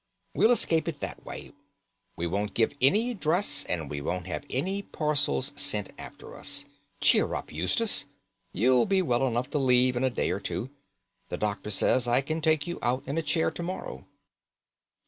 We'll escape it that way. We won't give any address, and we won't have any parcels sent after us. Cheer up, Eustace! You'll be well enough to leave in a day or two. The doctor says I can take you out in a chair to morrow."